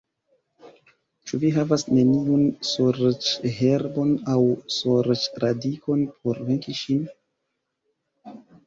Ĉu vi havas neniun sorĉherbon aŭ sorĉradikon por venki ŝin?